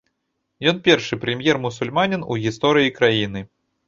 Ён першы прэм'ер-мусульманін у гісторыі краіны.